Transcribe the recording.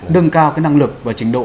nâng cao năng lực và trình độ